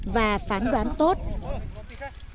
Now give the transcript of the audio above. và phán đoạn tự nhiên